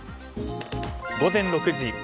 午前６時。